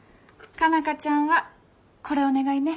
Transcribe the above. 佳奈花ちゃんはこれお願いね。